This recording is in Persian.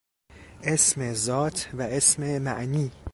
اسم ذات و اسم معنی